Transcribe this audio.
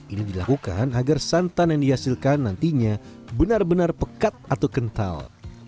ini dilakukan agar santan yang dihasilkan nantinya benar benar pekat atau kental